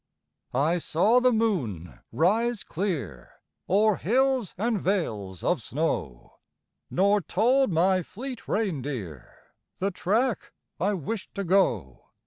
I saw the moon rise clear O'er hills and vales of snow Nor told my fleet reindeer The track I wished to go.